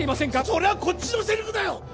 それはこっちのセリフだよ